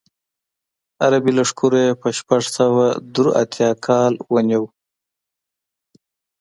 عربي لښکرو یې په شپږ سوه درې اتیا کال ونیو.